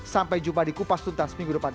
sampai jumpa di kupas tuntas minggu depan